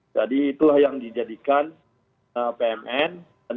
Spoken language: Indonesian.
jadi itulah yang dijadikan pmn